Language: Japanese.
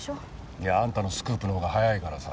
いやあんたのスクープのほうが早いからさ。